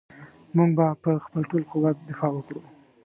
موږ به په خپل ټول قوت دفاع وکړو.